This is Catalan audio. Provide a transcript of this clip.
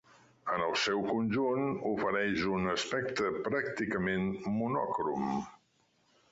En el seu conjunt, ofereix un aspecte pràcticament monocrom.